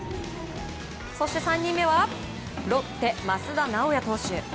そして３人目はロッテ、益田直也投手。